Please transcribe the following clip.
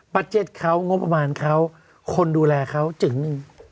บัจเจ็ตเขางบประมาณเขาคนดูแลเขาจึง